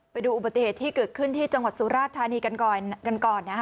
ไปดูอุบัติเหตุที่เกิดขึ้นที่จังหวัดสุราธารณีกันก่อน